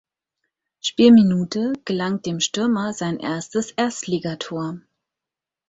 Spielminute gelang dem Stürmer sein erstes Erstligator.